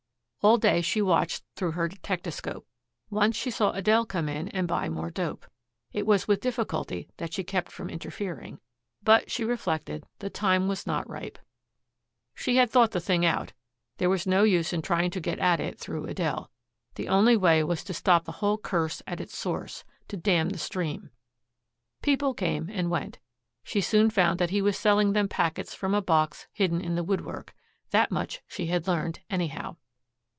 All day she watched through her detectascope. Once she saw Adele come in and buy more dope. It was with difficulty that she kept from interfering. But, she reflected, the time was not ripe. She had thought the thing out. There was no use in trying to get at it through Adele. The only way was to stop the whole curse at its source, to dam the stream. People came and went. She soon found that he was selling them packets from a box hidden in the woodwork. That much she had learned, anyhow.